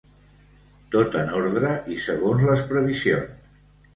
Tot en ordre i segons les previsions.